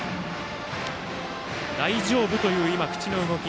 大丈夫という口の動き。